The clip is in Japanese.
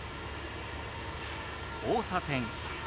「交差点」。